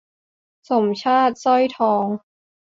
สมชาติ สร้อยทอง